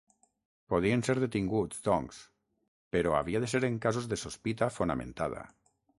Podien ser detinguts doncs, però havia de ser en casos de sospita fonamentada.